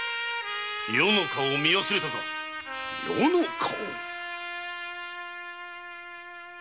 余の顔を見忘れたか「余の顔」？